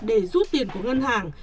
để rút tiền của ngân hàng